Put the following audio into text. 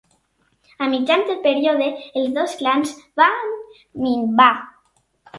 A mitjans del període, els dos clans van minvar.